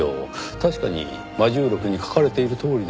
確かに『魔銃録』に書かれているとおりですねぇ。